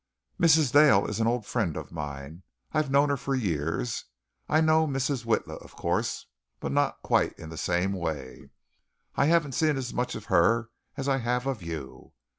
"Mrs. Dale is an old friend of mine. I've known her for years. I know Mrs. Witla, of course, but not quite in the same way. I haven't seen as much of her as I have of you.